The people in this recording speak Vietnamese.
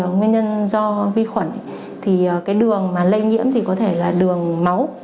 nguyên nhân do vi khuẩn thì đường lây nhiễm có thể là đường máu